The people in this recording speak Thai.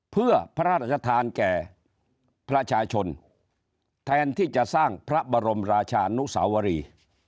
เพื่อพระราชทานแก่ประชาชนแทนที่จะสร้างพระบรมราชานุสาวรี